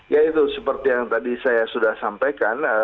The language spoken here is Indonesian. ya itu seperti yang tadi saya sudah sampaikan